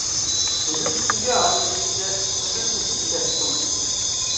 بىلىمسىزگە ھال ئېيتقۇچە ئىچىڭدە سېسىپ كەتسۇن!